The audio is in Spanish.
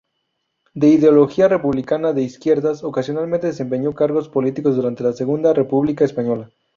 De ideología republicana de izquierdas, ocasionalmente desempeñó cargos políticos durante la Segunda República Española.